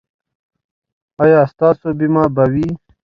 ایا ستاسو بیمه به وي؟